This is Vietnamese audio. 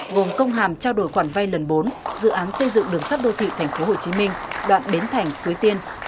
gồm công hàm trao đổi khoản vay lần bốn dự án xây dựng đường sắt đô thị thành phố hồ chí minh đoạn bến thành suối tiên